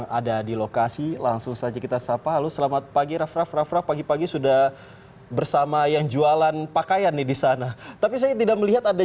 gali putra jakarta